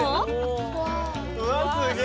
うわっすげえ！